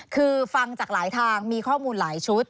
คือฟังจากหลายทางมีข้อมูลหลายชุด